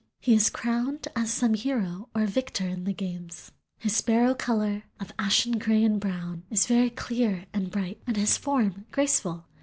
He is crowned as some hero or victor in the games. His sparrow color, of ashen gray and brown, is very clear and bright, and his form graceful.